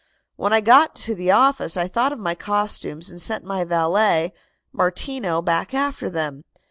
"When I got to the office I thought of my costumes and sent my valet, Martino, back after them.